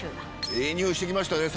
ええ匂いしてきましたね。